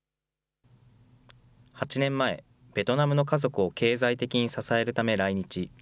８年前、ベトナムの家族を経済的に支えるため来日。